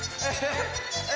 え